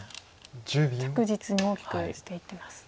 着実に大きくしていってます。